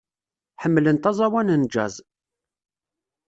Ḥemmlent aẓawan n jazz.